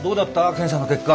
検査の結果。